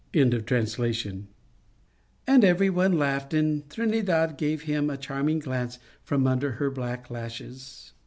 A Tertulia 115 And every one laughed, and Trinidad gave him a charming glance from under her black lashes.